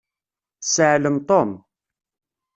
Sseɛlem Tom.